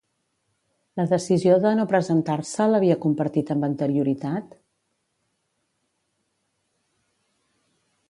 La decisió de no presentar-se l'havia compartit amb anterioritat?